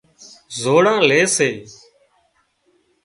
زوڙان لي سي